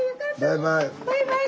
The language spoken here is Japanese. バイバイ。